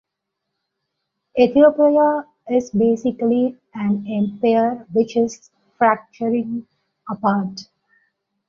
Ethiopia is basically an empire which is fracturing apart.